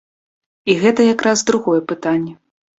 І гэта як раз другое пытанне.